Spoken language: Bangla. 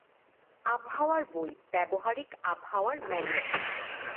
আবহাওয়ার বই: ব্যবহারিক আবহাওয়ার ম্যানুয়াল।